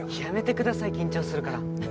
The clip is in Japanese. やめてください緊張するから。